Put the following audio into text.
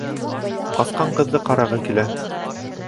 Ҡасҡан ҡыҙҙы ҡарағы килә